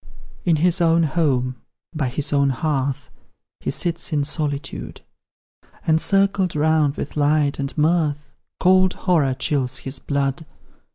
In his own home, by his own hearth, He sits in solitude, And circled round with light and mirth, Cold horror chills his blood.